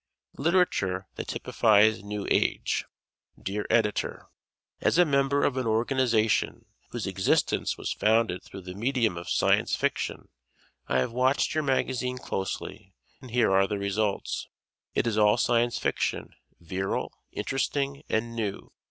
"Literature That Typifies New Age" Dear Editor: As a member of an organization whose existence was founded through the medium of Science Fiction, I have watched your magazine closely, and here are the results: It is all Science Fiction, virile, interesting and new.